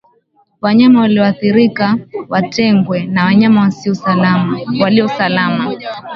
Wanyama walioathirika watengwe na wanyama walio salama